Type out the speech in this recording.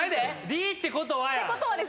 「り」ってことはや。